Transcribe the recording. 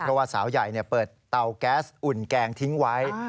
เพราะว่าสาวใหญ่เปิดเตาแก๊สอุ่นแกงทิ้งไว้